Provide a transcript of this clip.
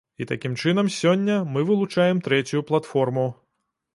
І такім чынам сёння мы вылучаем трэцюю платформу.